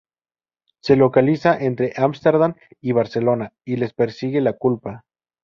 Se localizan entre Ámsterdam y Barcelona, y les persigue la culpa.